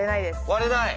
割れない。